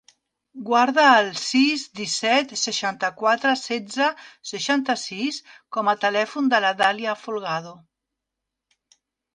Guarda el sis, disset, seixanta-quatre, setze, seixanta-sis com a telèfon de la Dàlia Folgado.